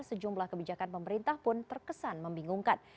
sejumlah kebijakan pemerintah pun terkesan membingungkan